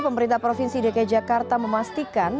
pemerintah provinsi dki jakarta memastikan